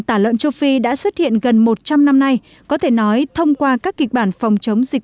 tả lợn châu phi đã xuất hiện gần một trăm linh năm nay có thể nói thông qua các kịch bản phòng chống dịch